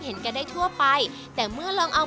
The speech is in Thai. คือใช้เส้นข้าวสอยเถอะว่างั้น